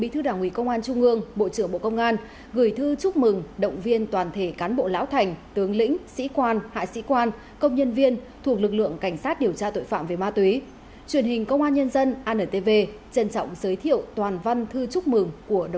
truyền hình công an nhân dân antv trân trọng giới thiệu toàn văn thư chúc mừng của đồng chí bộ trưởng